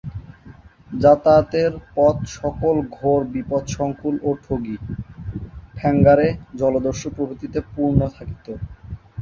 যাতায়াতের পথ সকল ঘোর বিপদসঙ্কুল ও ঠগী, ঠ্যাঙাড়ে, জলদস্যু প্রভৃতিতে পূর্ণ থাকিত।